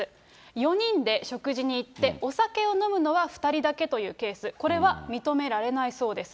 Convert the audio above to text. ４人で食事に行って、お酒を飲むのは２人だけというケース、これは認められないそうです。